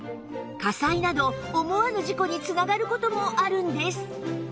火災など思わぬ事故に繋がる事もあるんです